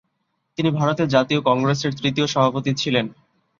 তিনি ভারতের জাতীয় কংগ্রেসের তৃতীয় সভাপতি ছিলেন।